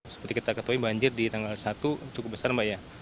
seperti kita ketahui banjir di tanggal satu cukup besar